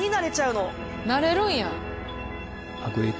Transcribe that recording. なれるんや。